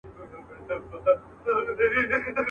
ورته ګوري به وارونه د لرګیو.